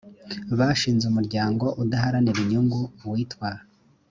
bashinze umuryango udaharanira inyungu witwa